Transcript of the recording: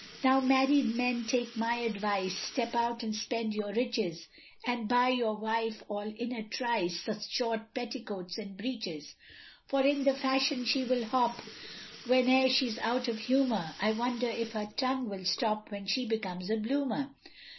Now married men take my advice, Step out and spend your riches, And buy your wife all in a trice, Short petticoats and breeches, For in the fashion she will hop, Whene'er she's out of humour, I wonder if her tongue will stop, When she becomes a bloomer.